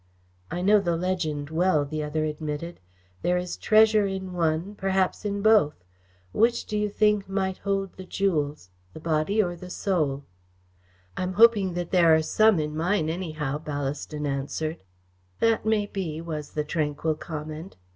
"I know the legend well," the other admitted. "There is treasure in one, perhaps in both. Which do you think might hold the jewels the Body or the Soul?" "I am hoping that there are some in mine, anyhow," Ballaston answered. "That may be," was the tranquil comment.